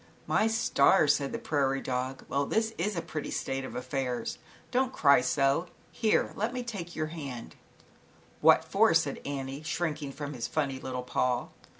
"My stars!" said the prairie dog, "Well, this is a pretty state of affairs. 96 ZAUBERLINDA, THE WISE WITCH. Don't cry so, here let me take your hand." "What for," said Annie, shrink ing from his funny little paw.